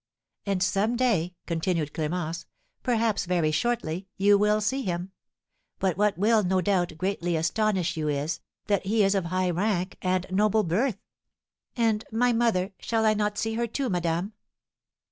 "And some day," continued Clémence, "perhaps very shortly, you will see him. But what will, no doubt, greatly astonish you, is that he is of high rank and noble birth." "And my mother, shall I not see her, too, madame?"